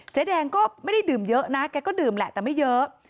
เจ๊แดงก็ไม่ได้ดื่มเยอะนะแกก็ดื่มแหละแต่ไม่เยอะ